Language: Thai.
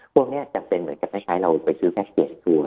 พวกนี้จะเป็นเหมือนจะไม่ใช้เราไปซื้อแพ็คเกจตัว